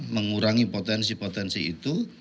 mengurangi potensi potensi itu